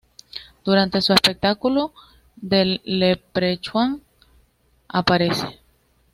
Durante su espectáculo del Leprechaun aparece.